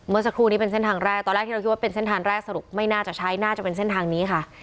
สักครู่นี้เป็นเส้นทางแรกตอนแรกที่เราคิดว่าเป็นเส้นทางแรกสรุปไม่น่าจะใช้น่าจะเป็นเส้นทางนี้ค่ะ